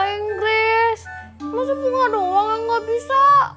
bahasa inggris lu sebuah doang yang gak bisa